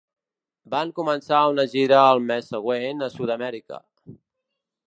Van començar una gira el mes següent a Sud-amèrica.